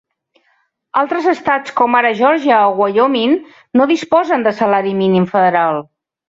Altres estats, com ara Georgia o Wyoming, no disposen de salari mínim federal.